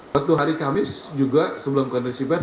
waktu hari kamis juga sebelum conference shippers